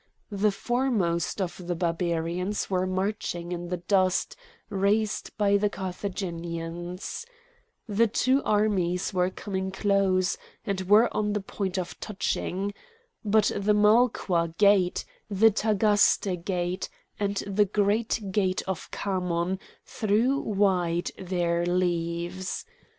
The foremost of the Barbarians were marching in the dust raised by the Carthaginians. The two armies were coming close, and were on the point of touching. But the Malqua gate, the Tagaste gate, and the great gate of Khamon threw wide their leaves.